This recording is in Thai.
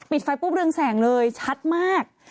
ไฟปุ๊บเรืองแสงเลยชัดมาก